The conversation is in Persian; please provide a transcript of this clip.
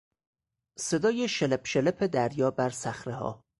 صدای شلپ شلپ دریا بر صخرهها